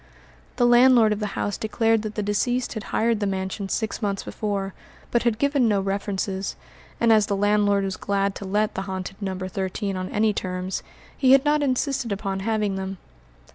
The landlord of the house declared that the deceased had hired the mansion six months before, but had given no references, and as the landlord was glad to let the haunted No. 13 on any terms, he had not insisted upon having them.